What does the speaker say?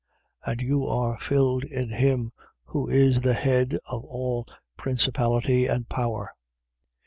2:10. And you are filled in him, who is the head of all principality and power.